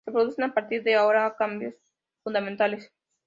Se producen a partir de ahora cambios fundamentales.